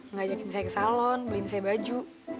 ngajakin saya ke salon beliin saya baju